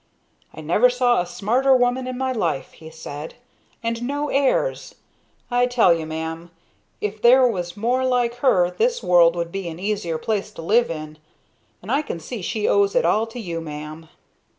"I never saw a smarter woman in my life," he said; "and no airs. I tell you, ma'am, if there was more like her this world would be an easier place to live in, and I can see she owes it all to you, ma'am."